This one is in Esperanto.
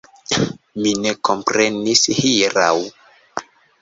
Mi ne komprenis hieraŭ.